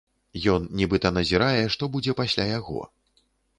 Ён нібыта назірае, што будзе пасля яго.